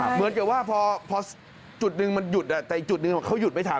เหมือนกับว่าพอจุดหนึ่งมันหยุดแต่อีกจุดหนึ่งเขาหยุดไม่ทัน